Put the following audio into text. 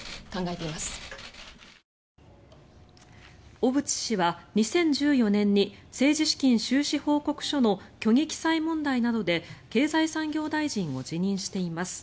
小渕氏は２０１４年に政治資金収支報告書の虚偽記載問題などで経済産業大臣を辞任しています。